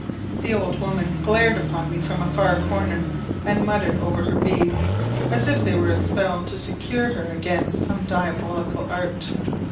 The old woman glared upon me from a far corner, and muttered over her beads, as if they were a spell to secure her against some diabolical art.